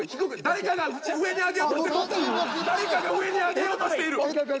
誰かが上に上げようとしている！